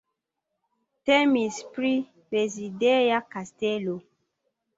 Temis pri rezideja kastelo.